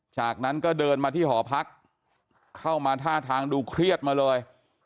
จากนั้นก็เดินมาที่หอพักเข้ามาท่าทางดูเครียดมาเลย